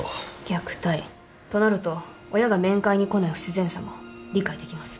虐待となると親が面会に来ない不自然さも理解できます。